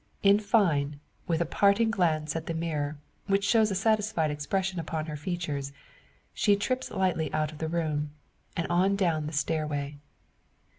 In fine, with a parting glance at the mirror, which shows a satisfied expression upon her features, she trips lightly out of the room, and on down the stairway.